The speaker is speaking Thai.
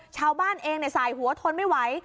ชาวบ้านเองสายหัวทนไม่ไหว